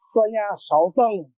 tòa nhà sáu tầng